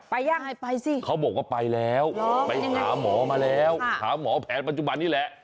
ยังไงไปสิเขาบอกว่าไปแล้วไปหาหมอมาแล้วหาหมอแผนปัจจุบันนี้แหละ